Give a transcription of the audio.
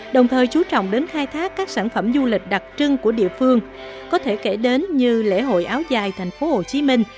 đồng thời chú trọng đến khai thác các sản phẩm du lịch đặc trưng của địa phương có thể kể đến như lễ hội áo dài thành phố hồ chí minh